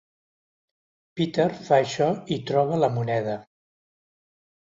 Peter fa això i troba la moneda.